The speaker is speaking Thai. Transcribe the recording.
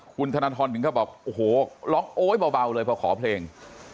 คุณธนทรหนึ่งก็บอกโอ้โหลองโอ้ยเบาเลยพอขอเพลง